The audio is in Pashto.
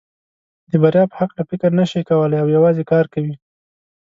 د بریا په هکله فکر نشي کولای او یوازې کار کوي.